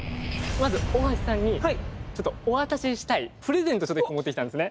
まず大橋さんにちょっとお渡ししたいプレゼントを一個持ってきたんですね。